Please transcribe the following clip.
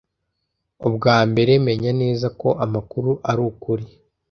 Ubwa mbere, menya neza ko amakuru ari ukuri.